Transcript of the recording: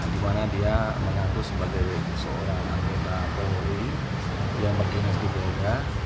di mana dia mengaku sebagai seorang anggota polisi yang bergenis di polres tulungagung